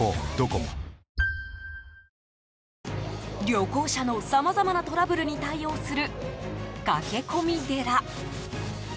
旅行者のさまざまなトラブルに対応する駆け込み寺。